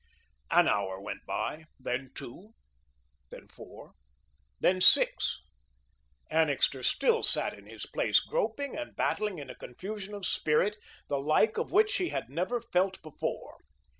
An hour went by; then two, then four, then six. Annixter still sat in his place, groping and battling in a confusion of spirit, the like of which he had never felt before.